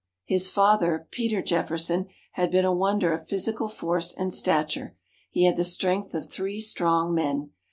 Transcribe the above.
His father, Peter Jefferson, had been a wonder of physical force and stature. He had the strength of three strong men.